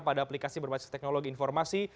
pada aplikasi berbasis teknologi informasi